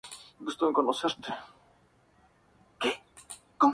Actualmente compite en las IndyCar Series.